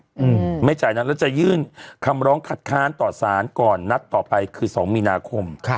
อืมไม่จ่ายแล้วจะยื่นคำร้องขัดค้านต่อศาลก่อนนัดต่อไปคือ๒หมี่นาคม